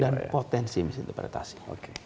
dan potensi misinterpretasi